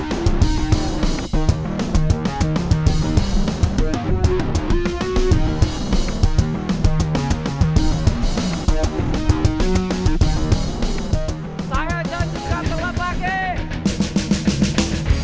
kasih lagi kasih lagi